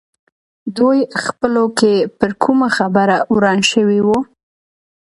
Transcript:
دوی خپلو کې پر کومه خبره وران شوي وو.